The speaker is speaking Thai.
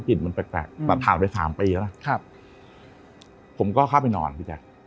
กลิ่นมันแปลกแปลกตัดทานไปสามปีแล้วครับผมก็เข้าไปนอนพี่แจ๊ก